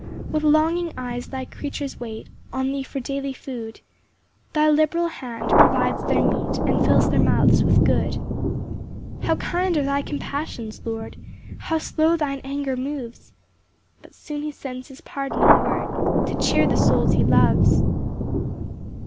3 With longing eyes thy creatures wait On thee for daily food, Thy liberal hand provides their meat And fills their mouths with good. 4 How kind are thy compassions, Lord! How slow thine anger moves! But soon he sends his pardoning word To cheer the souls he loves.